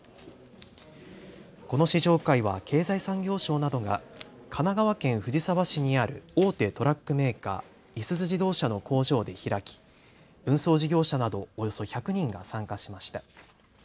この試乗会は経済産業省などが神奈川県藤沢市にある大手トラックメーカー、いすゞ自動車の工場で開き運送事業者などおよそ１００人が参加しました。